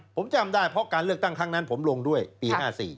ผมจำได้เพราะการเลือกตั้งครั้งนั้นผมลงด้วยปี๕๔